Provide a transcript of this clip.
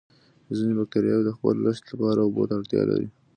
ځینې باکتریاوې د خپل رشد لپاره اوبو ته اړتیا لري.